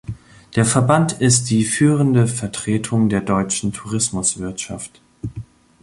Der Verband ist die führende Vertretung der deutschen Tourismuswirtschaft.